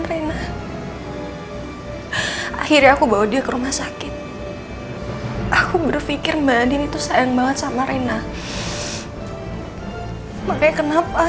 pansah banget ilham dalam pekerjaan aku